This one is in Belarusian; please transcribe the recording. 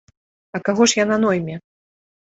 А каго ж яна нойме?